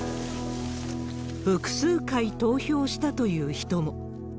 複数回投票したという人も。